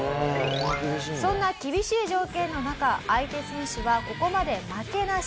そんな厳しい条件の中相手選手はここまで負けなし。